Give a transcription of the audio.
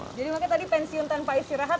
jadi makanya tadi pensiun tanpa istirahat